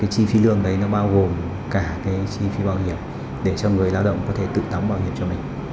chi phí lương đấy nó bao gồm cả cái chi phí bảo hiểm để cho người lao động có thể tự đóng bảo hiểm cho mình